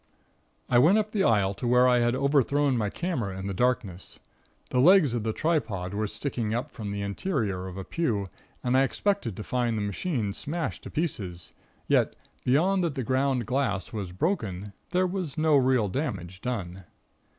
"I went up the aisle to where I had overthrown my camera in the darkness. The legs of the tripod were sticking up from the interior of a pew, and I expected to find the machine smashed to pieces; yet, beyond that the ground glass was broken, there was no real damage done.